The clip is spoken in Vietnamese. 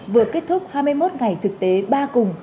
vừa kết thúc hai mươi một ngày thực tế ba cùng